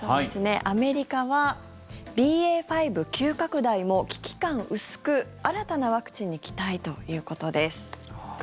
アメリカはＢＡ．５急拡大も危機感薄く新たなワクチンに期待ということです。